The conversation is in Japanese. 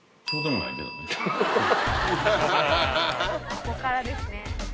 ここからですね。